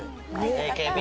ＡＫＢ？